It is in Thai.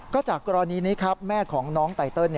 ก็จากกรณีนี้ครับแม่ของน้องไตเติล